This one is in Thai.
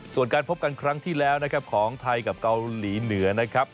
ส่วนการพบกันครั้งที่แล้วนะครับของไทยกับเกาหลีเหนือนะครับ